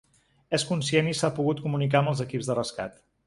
És conscient i s’ha pogut comunicar amb els equips de rescat.